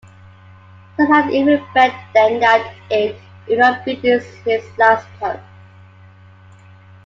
Some had even bet then that it will not be this his last post.